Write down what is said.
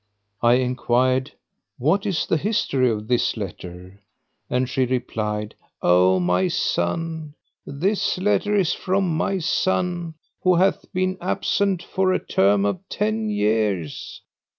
I enquired, "What is the history of this letter?", and she replied, "O my son, this letter is from my son, who hath been absent for a term of ten years.